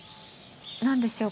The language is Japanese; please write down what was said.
何でしょう